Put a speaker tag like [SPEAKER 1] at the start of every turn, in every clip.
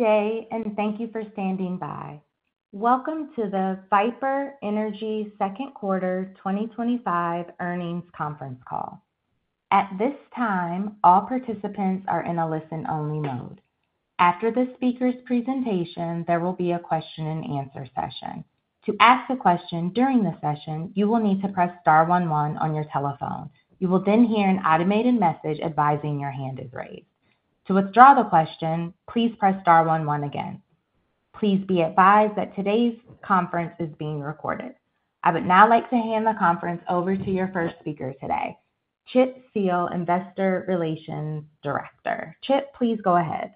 [SPEAKER 1] Day and thank you for standing by. Welcome to the Viper Energy Q2 2025 Earnings Conference Call. At this time, all participants are in a listen-only mode. After the speaker's presentation, there will be a question-and-answer session. To ask a question during the session, you will need to press star one one on your telephone. You will then hear an automated message advising your hand is raised. To withdraw the question, please press star one one again. Please be advised that today's conference is being recorded. I would now like to hand the conference over to your first speaker today, Chip Seale, Investor Relations Director. Chip, please go ahead.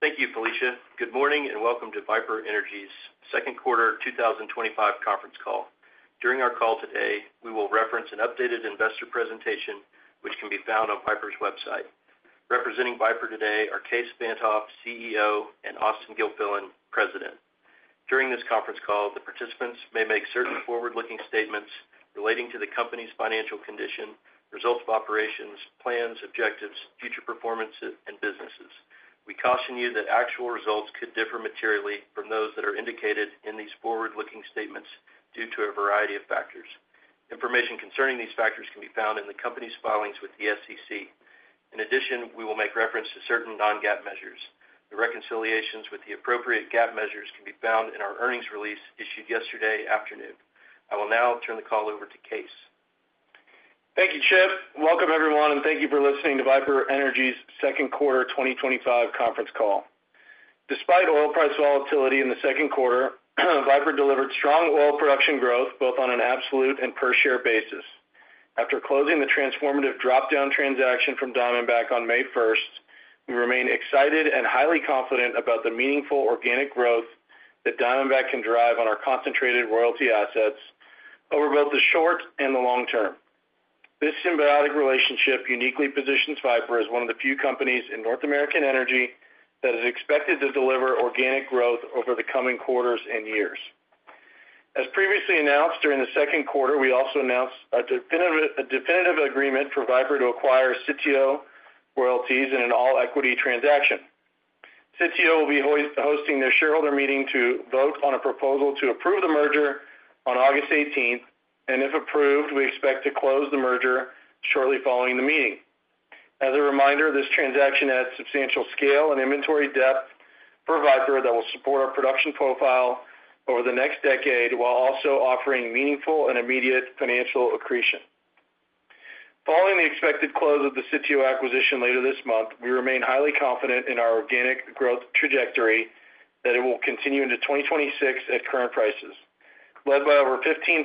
[SPEAKER 2] Thank you, Felicia. Good morning and welcome to Viper Energy's Q2 2025 Conference Call. During our call today, we will reference an updated investor presentation, which can be found on Viper's website. Representing Viper today are Kaes Van't Hof, CEO, and Austen Gilfillian, President. During this conference call, the participants may make certain forward-looking statements relating to the company's financial condition, results of operations, plans, objectives, future performance, and businesses. We caution you that actual results could differ materially from those that are indicated in these forward-looking statements due to a variety of factors. Information concerning these factors can be found in the company's filings with the SEC. In addition, we will make reference to certain non-GAAP measures. The reconciliations with the appropriate GAAP measures can be found in our earnings release issued yesterday afternoon. I will now turn the call over to Kaes.
[SPEAKER 3] Thank you, Chip. Welcome, everyone, and thank you for listening to Viper Energy's Q2 2025 Conference Call. Despite oil price volatility in the second quarter, Viper delivered strong oil production growth, both on an absolute and per share basis. After closing the transformative dropdown transaction from Diamondback on May 1st, we remain excited and highly confident about the meaningful organic growth that Diamondback can drive on our concentrated royalty assets over both the short and the long term. This symbiotic relationship uniquely positions Viper as one of the few companies in North American energy that is expected to deliver organic growth over the coming quarters and years. As previously announced during the second quarter, we also announced a definitive agreement for Viper to acquire Sitio royalties in an all-equity transaction. Sitio will be hosting their shareholder meeting to vote on a proposal to approve the merger on August 18th, and if approved, we expect to close the merger shortly following the meeting. As a reminder, this transaction adds substantial scale and inventory depth for Viper that will support our production profile over the next decade while also offering meaningful and immediate financial accretion. Following the expected close of the Sitio acquisition later this month, we remain highly confident in our organic growth trajectory that it will continue into 2026 at current prices, led by over 15%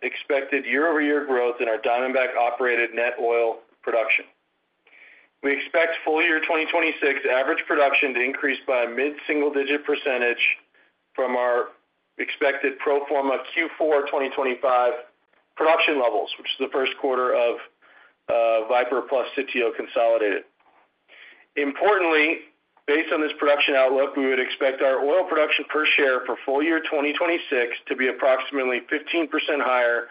[SPEAKER 3] expected year-over-year growth in our Diamondback-operated net oil production. We expect full-year 2026 average production to increase by a mid-single-digit percentage from our expected pro forma Q4 2025 production levels, which is the first quarter of Viper plus Sitio consolidated. Importantly, based on this production outlook, we would expect our oil production per share for full-year 2026 to be approximately 15% higher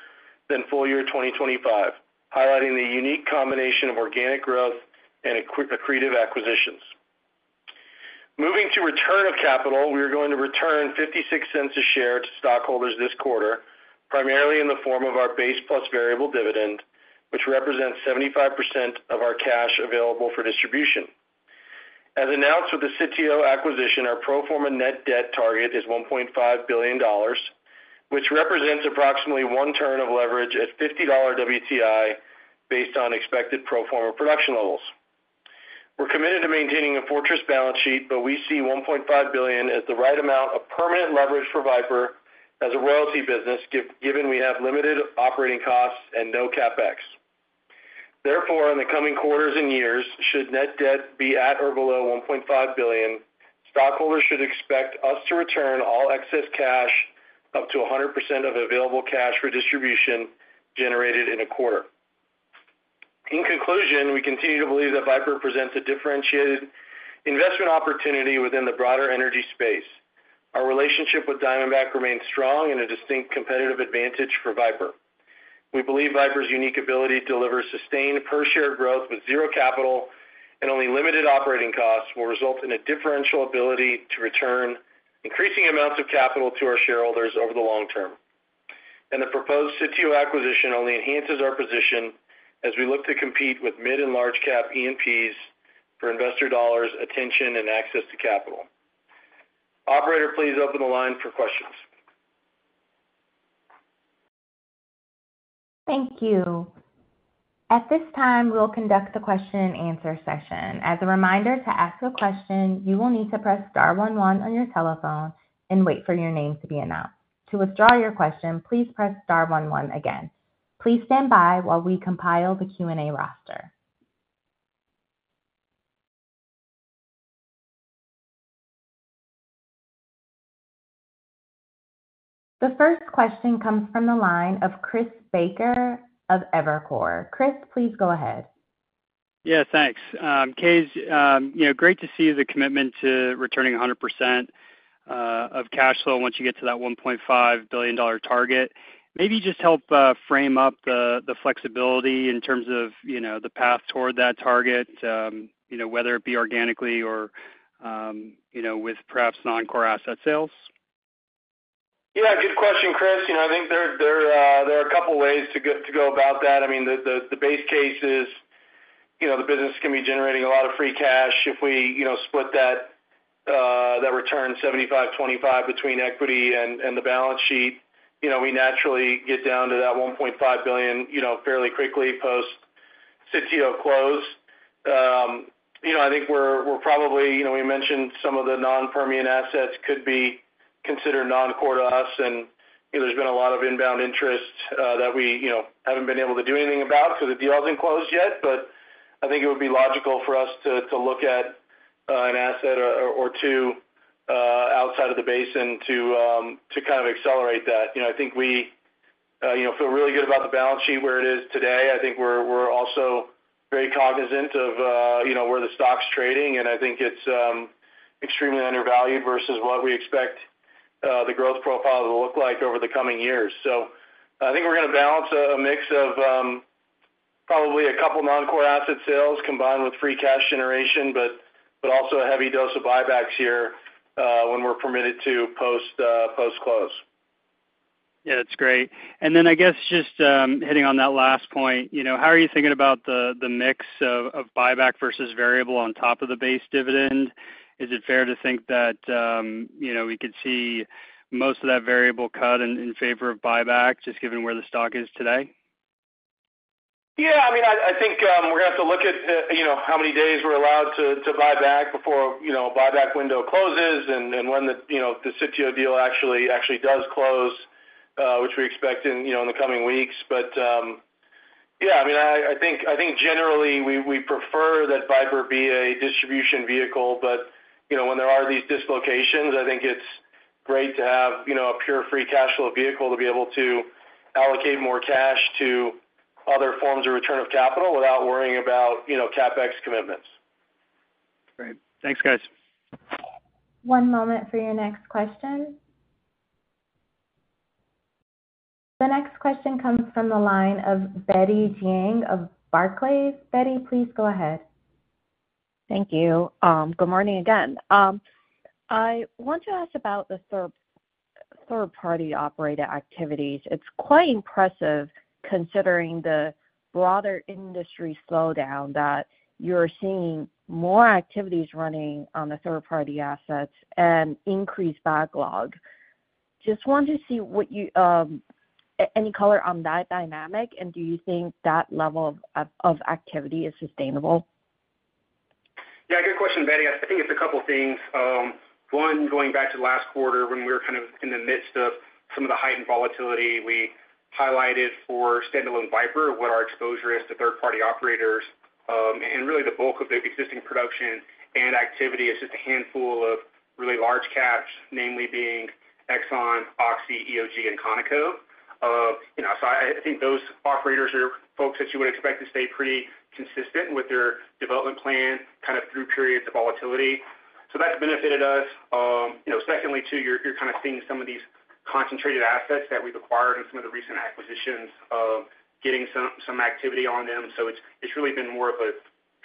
[SPEAKER 3] than full-year 2025, highlighting the unique combination of organic growth and accretive acquisitions. Moving to return of capital, we are going to return $0.56 a share to stockholders this quarter, primarily in the form of our base plus variable dividend, which represents 75% of our cash available for distribution. As announced with the Sitio acquisition, our pro forma net debt target is $1.5 billion, which represents approximately one turn of leverage at $50 WTI based on expected pro forma production levels. We're committed to maintaining a fortress balance sheet, but we see $1.5 billion as the right amount of permanent leverage for Viper as a royalty business, given we have limited operating costs and no CapEx. Therefore, in the coming quarters and years, should net debt be at or below $1.5 billion, stockholders should expect us to return all excess cash, up to 100% of available cash for distribution generated in a quarter. In conclusion, we continue to believe that Viper presents a differentiated investment opportunity within the broader energy space. Our relationship with Diamondback remains strong and a distinct competitive advantage for Viper. We believe Viper's unique ability to deliver sustained per-share growth with zero capital and only limited operating costs will result in a differential ability to return increasing amounts of capital to our shareholders over the long term. The proposed Sitio acquisition only enhances our position as we look to compete with mid and large-cap E&Ps for investor dollars, attention, and access to capital. Operator, please open the line for questions.
[SPEAKER 1] Thank you. At this time, we will conduct the question and answer session. As a reminder, to ask a question, you will need to press star one one on your telephone and wait for your name to be announced. To withdraw your question, please press star one one again. Please stand by while we compile the Q&A roster. The first question comes from the line of Chris Baker of Evercore. Chris, please go ahead.
[SPEAKER 4] Yeah, thanks. Kaes, great to see the commitment to returning 100% of cash flow once you get to that $1.5 billion target. Maybe just help frame up the flexibility in terms of the path toward that target, whether it be organically or with perhaps non-core asset sales?
[SPEAKER 3] Yeah, good question, Chris. I think there are a couple of ways to go about that. The base case is the business can be generating a lot of free cash if we split that return 75/25 between equity and the balance sheet. We naturally get down to that $1.5 billion fairly quickly post Sitio close. I think we mentioned some of the non-Permian assets could be considered non-core to us, and there's been a lot of inbound interest that we haven't been able to do anything about because the deal hasn't closed yet. I think it would be logical for us to look at an asset or two outside of the basin to kind of accelerate that. I think we feel really good about the balance sheet where it is today. I think we're also very cognizant of where the stock's trading, and I think it's extremely undervalued versus what we expect the growth profile to look like over the coming years. I think we're going to balance a mix of probably a couple non-core asset sales combined with free cash generation, but also a heavy dose of buybacks here when we're permitted to post close.
[SPEAKER 4] Yeah, that's great. I guess just hitting on that last point, you know, how are you thinking about the mix of buyback versus variable on top of the base dividend? Is it fair to think that, you know, we could see most of that variable cut in favor of buyback, just given where the stock is today?
[SPEAKER 3] Yeah, I mean, I think we're going to have to look at how many days we're allowed to buy back before a buyback window closes and when the Sitio deal actually does close, which we expect in the coming weeks. Yeah, I mean, I think generally we prefer that Viper be a distribution vehicle, but when there are these dislocations, I think it's great to have a pure free cash flow vehicle to be able to allocate more cash to other forms of return of capital without worrying about capex commitments.
[SPEAKER 4] Great. Thanks, guys.
[SPEAKER 1] One moment for your next question. The next question comes from the line of Betty Jiang of Barclays. Betty, please go ahead.
[SPEAKER 5] Thank you. Good morning again. I want to ask about the third-party operator activity. It's quite impressive considering the broader industry slowdown that you're seeing, more activity running on the third-party assets and increased backlog. Just want to see what you, any color on that dynamic, and do you think that level of activity is sustainable?
[SPEAKER 3] Yeah, good question, Betty. I think it's a couple of things. One, going back to the last quarter when we were in the midst of some of the heightened volatility, we highlighted for standalone Viper what our exposure is to third-party operators. Really, the bulk of the existing production and activity is just a handful of really large caps, namely being Exxon, OXY, EOG, and Conoco. I think those operators are folks that you would expect to stay pretty consistent with their development plan through periods of volatility. That's benefited us. Secondly, you're seeing some of these concentrated assets that we've acquired in some of the recent acquisitions getting some activity on them. It's really been more of a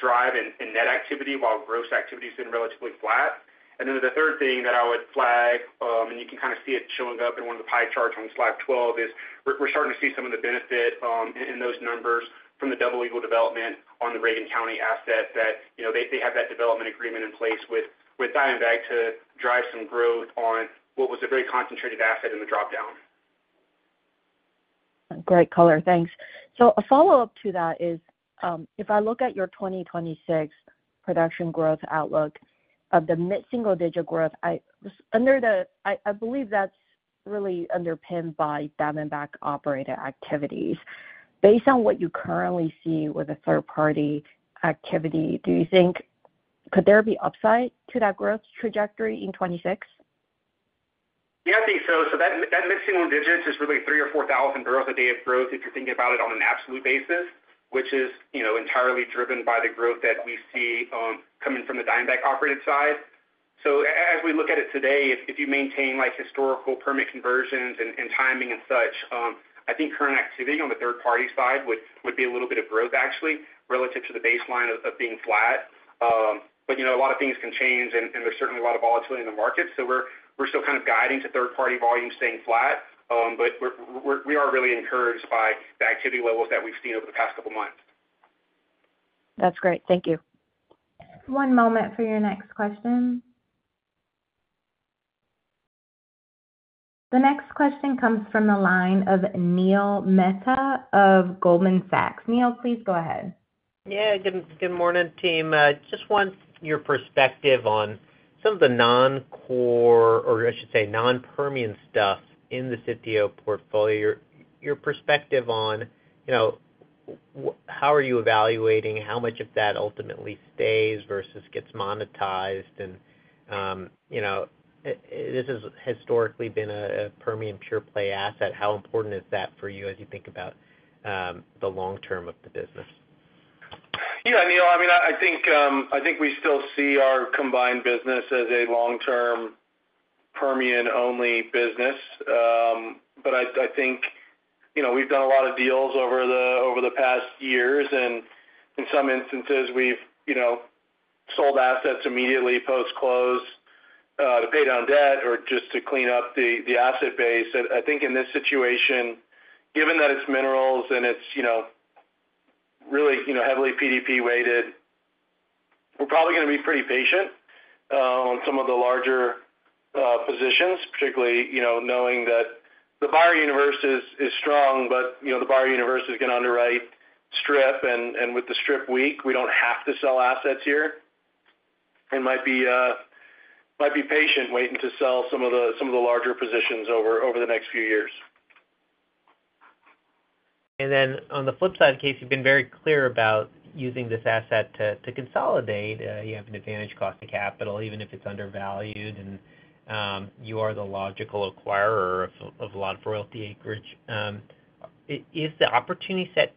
[SPEAKER 3] drive in net activity while gross activity has been relatively flat. The third thing that I would flag, and you can see it showing up in one of the pie charts on slide 12, is we're starting to see some of the benefit in those numbers from the double-legal development on the Reagan County asset that has that development agreement in place with Diamondback to drive some growth on what was a very concentrated asset in the dropdown transaction.
[SPEAKER 5] Great color, thanks. A follow-up to that is, if I look at your 2026 production growth outlook, the mid-single-digit growth, I believe that's really underpinned by Diamondback operated activities. Based on what you currently see with third-party activity, do you think there could be upside to that growth trajectory in 2026?
[SPEAKER 3] Yeah, I think so. That mid-single digit is really three or four thousand barrels a day of growth if you're thinking about it on an absolute basis, which is, you know, entirely driven by the growth that we see coming from the Diamondback operated side. As we look at it today, if you maintain like historical permit conversions and timing and such, I think current activity on the third-party side would be a little bit of growth, actually, relative to the baseline of being flat. A lot of things can change and there's certainly a lot of volatility in the market. We're still kind of guiding to third-party volume staying flat. We are really encouraged by the activity levels that we've seen over the past couple of months.
[SPEAKER 5] That's great. Thank you.
[SPEAKER 1] One moment for your next question. The next question comes from the line of Neil Mehta of Goldman Sachs. Neil, please go ahead.
[SPEAKER 6] Yeah, good morning, team. Just want your perspective on some of the non-core, or I should say non-Permian stuff in the Sitio portfolio, your perspective on how are you evaluating how much of that ultimately stays versus gets monetized? This has historically been a Permian pure play asset. How important is that for you as you think about the long term of the business?
[SPEAKER 3] Yeah, Neil, I mean, I think we still see our combined business as a long-term Permian-only business. I think we've done a lot of deals over the past years, and in some instances, we've sold assets immediately post-close to pay down debt or just to clean up the asset base. I think in this situation, given that it's minerals and it's really heavily PDP-weighted, we're probably going to be pretty patient on some of the larger positions, particularly knowing that the buyer universe is strong. The buyer universe is going to underwrite STRIP, and with the STRIP weak, we don't have to sell assets here. We might be patient waiting to sell some of the larger positions over the next few years.
[SPEAKER 6] On the flip side, Kaes, you've been very clear about using this asset to consolidate. You have an advantage cost of capital, even if it's undervalued, and you are the logical acquirer of a lot of royalty acreage. Is the opportunity set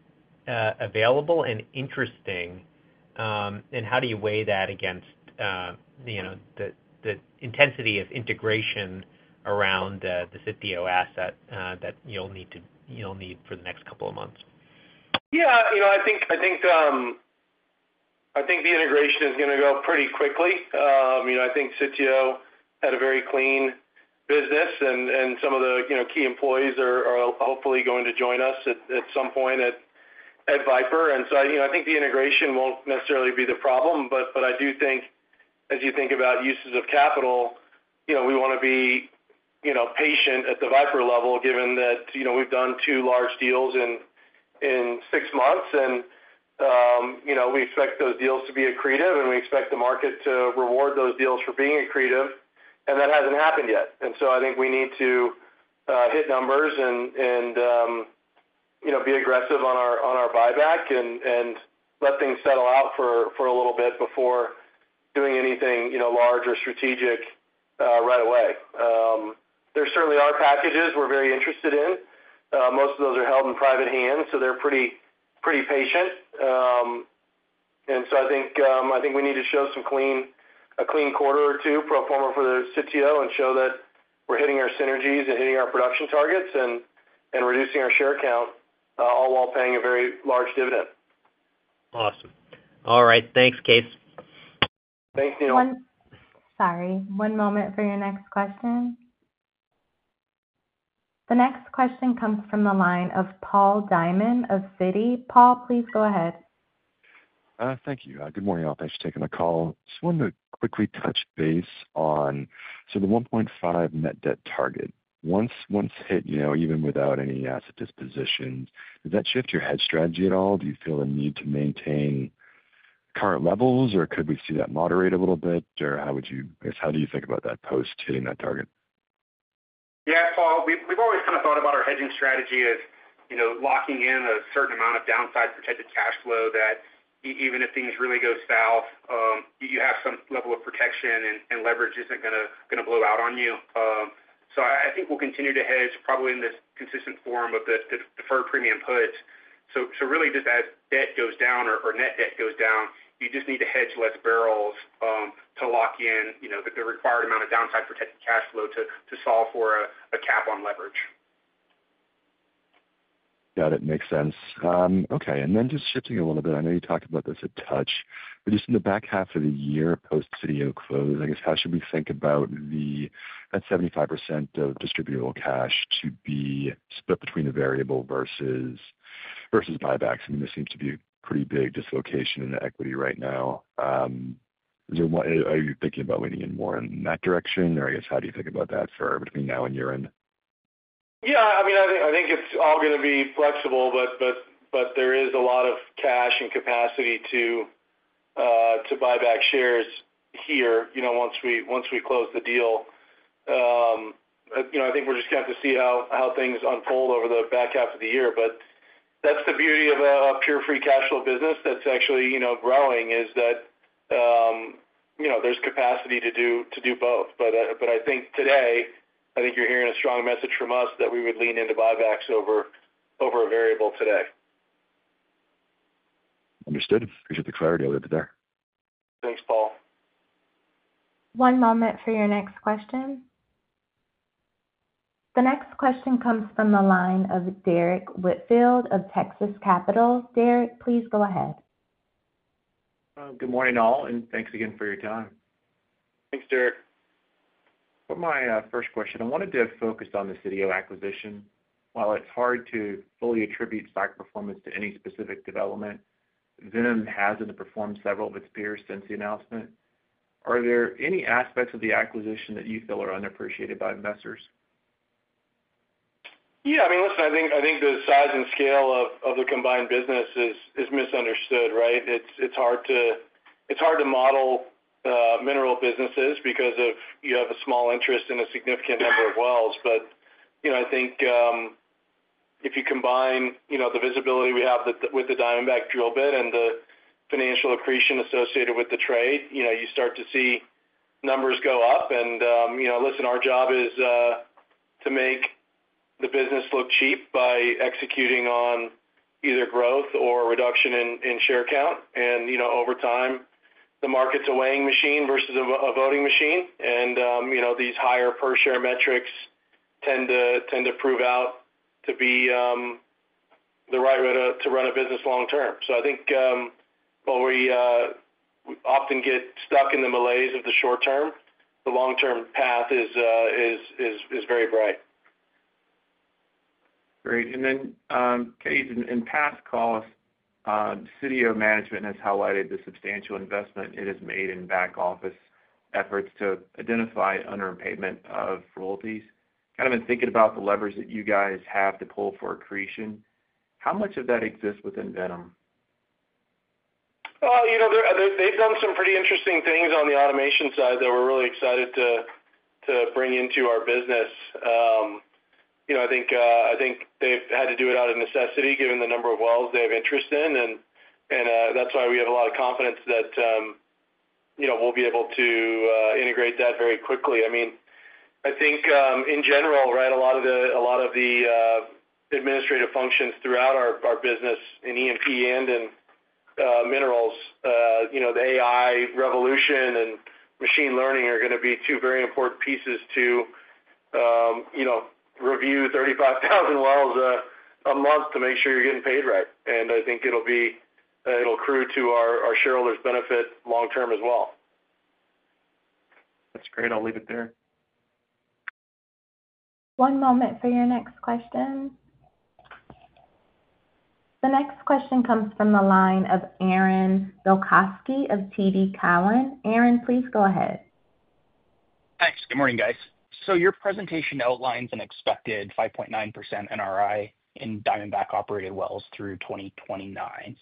[SPEAKER 6] available and interesting, and how do you weigh that against the intensity of integration around the Sitio asset that you'll need for the next couple of months?
[SPEAKER 3] Yeah, I think the integration is going to go pretty quickly. I think Sitio had a very clean business and some of the key employees are hopefully going to join us at some point at Viper. I think the integration won't necessarily be the problem, but I do think as you think about uses of capital, we want to be patient at the Viper level, given that we've done two large deals in six months, and we expect those deals to be accretive, and we expect the market to reward those deals for being accretive. That hasn't happened yet. I think we need to hit numbers and be aggressive on our buyback and let things settle out for a little bit before doing anything large or strategic right away. There certainly are packages we're very interested in. Most of those are held in private hands, so they're pretty patient. I think we need to show a clean quarter or two pro forma for the Sitio and show that we're hitting our synergies and hitting our production targets and reducing our share count, all while paying a very large dividend.
[SPEAKER 6] Awesome. All right. Thanks, Kaes.
[SPEAKER 3] Thanks, Neil.
[SPEAKER 1] Sorry. One moment for your next question. The next question comes from the line of Paul Diamond of Citi. Paul, please go ahead.
[SPEAKER 7] Thank you. Good morning, Al. Thanks for taking my call. I just wanted to quickly touch base on the $1.5 million net debt target. Once hit, even without any asset disposition, does that shift your hedge strategy at all? Do you feel the need to maintain current levels, or could we see that moderate a little bit? How do you think about that post hitting that target?
[SPEAKER 8] Yeah, Paul, we've always kind of thought about our hedging strategy as locking in a certain amount of downside protected cash flow that even if things really go south, you have some level of protection and leverage isn't going to blow out on you. I think we'll continue to hedge probably in this consistent form of the deferred premium puts. Really, just as debt goes down or net debt goes down, you just need to hedge less barrels to lock in the required amount of downside protected cash flow to solve for a cap on leverage.
[SPEAKER 7] Got it. Makes sense. Okay. Just shifting a little bit, I know you talked about this a touch, but just in the back half of the year post Sitio close, how should we think about that 75% of distributable cash to be split between the variable versus buybacks? This seems to be a pretty big dislocation in the equity right now. Is there one, are you thinking about weighing in more in that direction, or how do you think about that for between now and year end?
[SPEAKER 3] Yeah, I mean, I think it's all going to be flexible, but there is a lot of cash and capacity to buy back shares here, you know, once we close the deal. I think we're just going to have to see how things unfold over the back half of the year. That's the beauty of a pure free cash flow business that's actually, you know, growing is that, you know, there's capacity to do both. I think today, I think you're hearing a strong message from us that we would lean into buybacks over a variable today.
[SPEAKER 7] Understood. Thanks for the clarity on that today.
[SPEAKER 3] Thanks, Paul.
[SPEAKER 1] One moment for your next question. The next question comes from the line of Derrick Whitfield of Texas Capital. Derrick, please go ahead.
[SPEAKER 9] Good morning, all, and thanks again for your time.
[SPEAKER 3] Thanks, Derek.
[SPEAKER 9] My first question, I wanted to focus on the Sitio acquisition. While it's hard to fully attribute stock performance to any specific development, Viper has underperformed several of its peers since the announcement. Are there any aspects of the acquisition that you feel are underappreciated by investors?
[SPEAKER 3] Yeah, I mean, listen, I think the size and scale of the combined business is misunderstood, right? It's hard to model mineral businesses because you have a small interest in a significant number of wells. You know, I think if you combine the visibility we have with the Diamondback drill bid and the financial accretion associated with the trade, you start to see numbers go up. You know, listen, our job is to make the business look cheap by executing on either growth or reduction in share count. Over time, the market's a weighing machine versus a voting machine. These higher per-share metrics tend to prove out to be the right way to run a business long term. I think, while we often get stuck in the malaise of the short term, the long-term path is very bright.
[SPEAKER 9] Great. In past calls, Sitio management has highlighted the substantial investment it has made in back-office efforts to identify underpayment of royalties. Kind of in thinking about the levers that you guys have to pull for accretion, how much of that exists within Viper?
[SPEAKER 3] They've done some pretty interesting things on the automation side that we're really excited to bring into our business. I think they've had to do it out of necessity given the number of wells they have interest in, and that's why we have a lot of confidence that we'll be able to integrate that very quickly. I think, in general, a lot of the administrative functions throughout our business in E&P and in minerals, the AI revolution and machine learning are going to be two very important pieces to review 35,000 wells a month to make sure you're getting paid right. I think it'll accrue to our shareholders' benefit long term as well.
[SPEAKER 9] That's great. I'll leave it there.
[SPEAKER 1] One moment for your next question. The next question comes from the line of Aaron Bilkoski of TD Cowen. Aaron, please go ahead.
[SPEAKER 10] Thanks. Good morning, guys. Your presentation outlines an expected 5.9% NRI in Diamondback operated wells through 2029.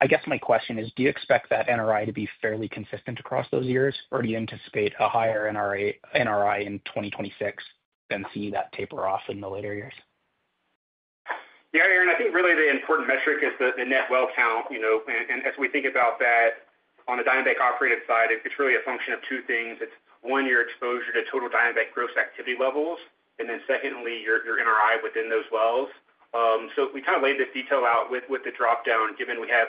[SPEAKER 10] I guess my question is, do you expect that NRI to be fairly consistent across those years, or do you anticipate a higher NRI in 2026 and see that taper off in the later years?
[SPEAKER 8] Yeah, Aaron, I think really the important metric is the net well count. You know, as we think about that on the Diamondback operated side, it's really a function of two things. It's one, your exposure to total Diamondback gross activity levels, and then secondly, your NRI within those wells. We kind of laid this detail out with the dropdown, given we have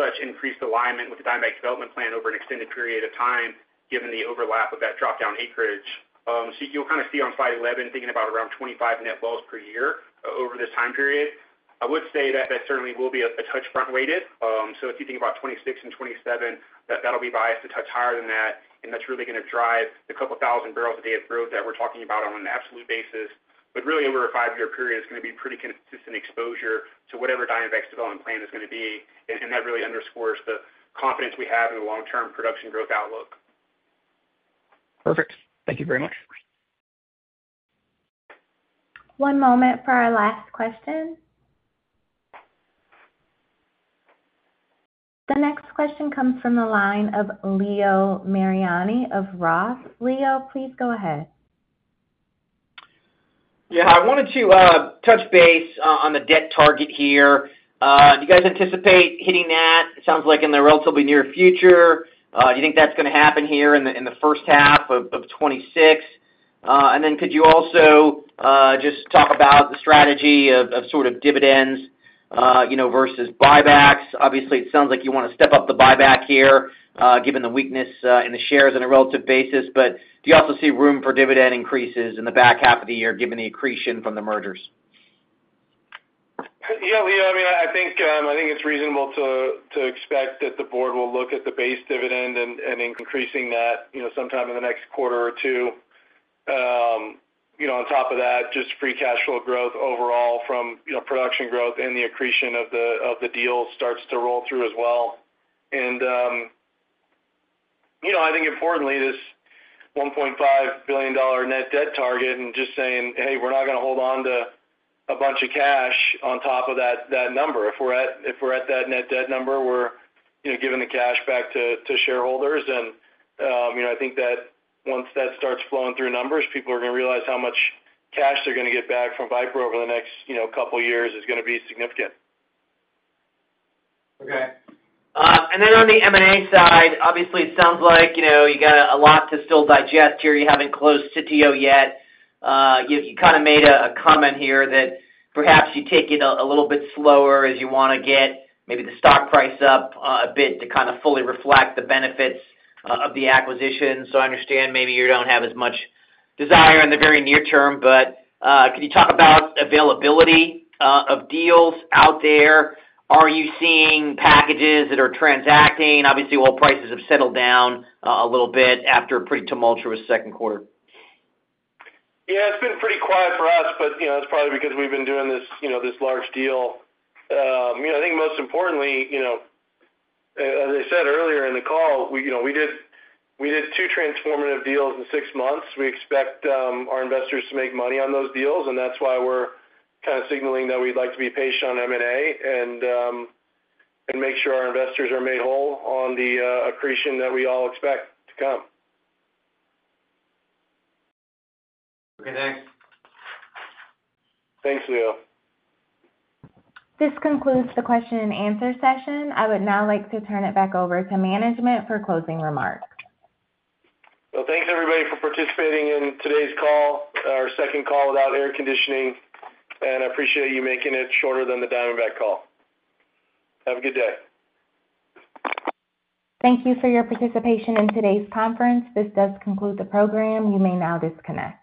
[SPEAKER 8] such increased alignment with the Diamondback development plan over an extended period of time, given the overlap of that dropdown acreage. You'll kind of see on slide 11, thinking about around 25 net wells per year over this time period. I would say that that certainly will be a touch front-weighted. If you think about 2026 and 2027, that'll be biased a touch higher than that. That's really going to drive the couple thousand barrels a day of growth that we're talking about on an absolute basis. Really, over a five-year period, it's going to be pretty consistent exposure to whatever Diamondback's development plan is going to be. That really underscores the confidence we have in the long-term production growth outlook.
[SPEAKER 10] Perfect. Thank you very much.
[SPEAKER 1] One moment for our last question. The next question comes from the line of Leo Mariani of ROTH. Leo, please go ahead.
[SPEAKER 11] Yeah, I wanted to touch base on the debt target here. Do you guys anticipate hitting that? It sounds like in the relatively near future. Do you think that's going to happen here in the first half of 2026? Could you also just talk about the strategy of sort of dividends, you know, versus buybacks? Obviously, it sounds like you want to step up the buyback here, given the weakness in the shares on a relative basis. Do you also see room for dividend increases in the back half of the year, given the accretion from the mergers?
[SPEAKER 3] Yeah, Leo, I mean, I think it's reasonable to expect that the board will look at the base dividend and increasing that sometime in the next quarter or two. On top of that, just free cash flow growth overall from production growth and the accretion of the deals starts to roll through as well. I think importantly, this $1.5 billion net debt target and just saying, "Hey, we're not going to hold on to a bunch of cash on top of that number." If we're at that net debt number, we're giving the cash back to shareholders. I think that once that starts flowing through numbers, people are going to realize how much cash they're going to get back from Viper over the next couple of years is going to be significant.
[SPEAKER 11] Okay. On the M&A side, obviously, it sounds like you know you got a lot to still digest here. You haven't closed Sitio yet. You kind of made a comment here that perhaps you take it a little bit slower as you want to get maybe the stock price up a bit to kind of fully reflect the benefits of the acquisition. I understand maybe you don't have as much desire in the very near term, but can you talk about availability of deals out there? Are you seeing packages that are transacting? Obviously, while prices have settled down a little bit after a pretty tumultuous second quarter.
[SPEAKER 3] Yeah, it's been pretty quiet for us, but that's probably because we've been doing this large deal. Most importantly, as I said earlier in the call, we did two transformative deals in six months. We expect our investors to make money on those deals, and that's why we're kind of signaling that we'd like to be patient on M&A and make sure our investors are made whole on the accretion that we all expect to come.
[SPEAKER 11] Okay, thanks.
[SPEAKER 3] Thanks, Leo.
[SPEAKER 1] This concludes the question and answer session. I would now like to turn it back over to management for closing remarks.
[SPEAKER 3] Thank you, everybody, for participating in today's call, our second call without air conditioning. I appreciate you making it shorter than the Diamondback call. Have a good day.
[SPEAKER 1] Thank you for your participation in today's conference. This does conclude the program. You may now disconnect.